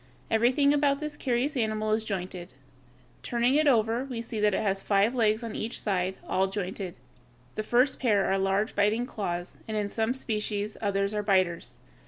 Everything about this curious animal is jointed. Turning it over (Fig. 130), we see that it has five legs on each side, all jointed. The first pair are large biting claws, and in some species others are biters.